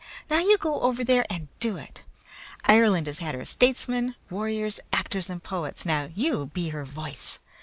Now you go over there and do it! Ireland has had her statesmen, warriors, actors, and poets; now you be her voice!